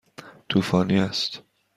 طوفانی است.